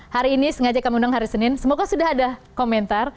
hari ini sengaja kami undang hari senin semoga sudah ada komentar